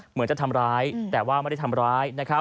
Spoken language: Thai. เหมือนจะทำร้ายแต่ว่าไม่ได้ทำร้าย